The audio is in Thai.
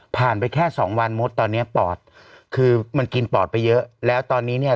ไปแค่สองวันมดตอนเนี้ยปอดคือมันกินปอดไปเยอะแล้วตอนนี้เนี่ย